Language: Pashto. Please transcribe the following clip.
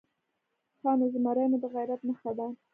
_ښه نو، زمری مو د غيرت نښه ده؟